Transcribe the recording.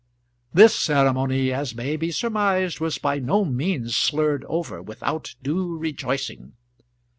This ceremony, as may be surmised, was by no means slurred over without due rejoicing.